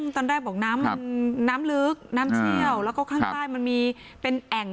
ตอนแรกบอกน้ำมันน้ำลึกน้ำเชี่ยวแล้วก็ข้างใต้มันมีเป็นแอ่ง